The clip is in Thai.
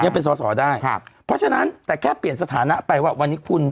ยังเป็นสอสอได้ครับเพราะฉะนั้นแต่แค่เปลี่ยนสถานะไปว่าวันนี้คุณ